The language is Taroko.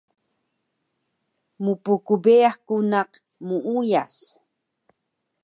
Mpkbeyax ku naq muuyas